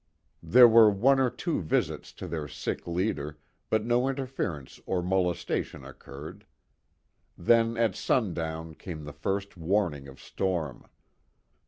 There were one or two visits to their sick leader, but no interference or molestation occurred. Then at sundown came the first warning of storm.